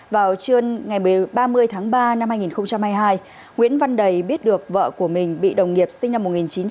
vào trưa ngày ba mươi tháng ba năm hai nghìn hai mươi hai nguyễn văn đầy biết được vợ của mình bị đồng nghiệp sinh năm một nghìn chín trăm tám mươi